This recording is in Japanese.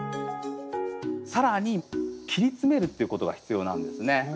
更に切り詰めるっていうことが必要なんですね。